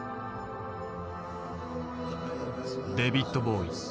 デビッド・ボウイ。